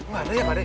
gak ada ya pak d